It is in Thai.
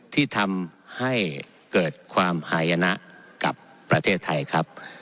ที่ทำให้เกิดความหายนะกับประเทศไทยครับ